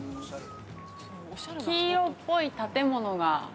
黄色っぽい建物が。